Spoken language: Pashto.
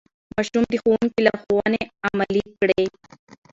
ماشوم د ښوونکي لارښوونې عملي کړې